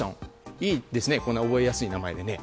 いいですね、覚えやすい名前で。